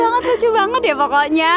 kamu cakep banget lucu banget ya pokoknya